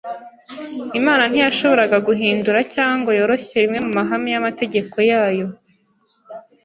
Imana ntiyashoboraga guhindura cyangwa ngo yoroshye rimwe mu mahame y’amategeko yayo